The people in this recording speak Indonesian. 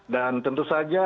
dan tentu saja